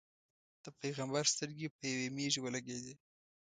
د پېغمبر سترګې په یوې مېږې ولګېدې.